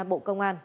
bộ công an